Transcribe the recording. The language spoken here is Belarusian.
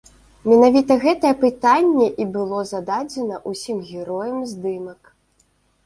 Менавіта гэтае пытанне і было зададзена ўсім героям здымак.